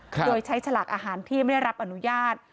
โดยใช้ฉลากอาหารที่ไม่ได้รับอนุญาต